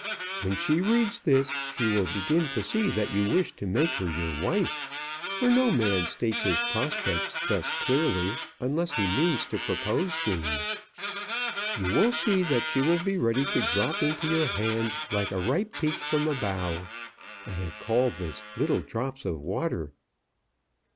When she reads this she will begin to see that you wish to make her your wife, for no man states his prospects thus clearly unless he means to propose soon. You will see that she will be ready to drop into your hand like a ripe peach from a bough. I have called this 'Little Drops of Water.'"